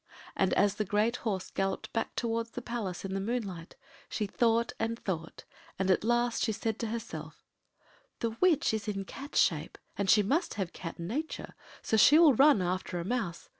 And as the great horse galloped back towards the palace in the moonlight, she thought and thought, and at last she said to herself— “The witch is in cat’s shape, and she must have cat nature, so she will run after a mouse.